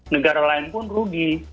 negara lain pun rugi